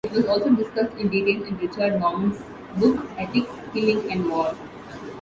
It was also discussed in detail in Richard Norman's book: "Ethics, Killing and War".